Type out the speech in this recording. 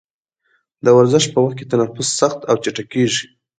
د ورزش په وخت کې تنفس سخت او چټکېږي.